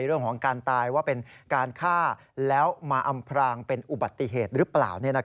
เรื่องของการตายว่าเป็นการฆ่าแล้วมาอำพรางเป็นอุบัติเหตุหรือเปล่า